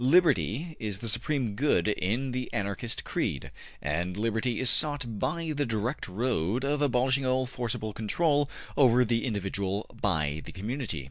Liberty is the supreme good in the Anarchist creed, and liberty is sought by the direct road of abolishing all forcible control over the individual by the community.